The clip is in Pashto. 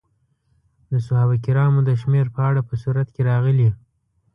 د صحابه کرامو د شمېر په اړه په سورت کې راغلي.